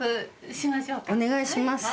お願いします。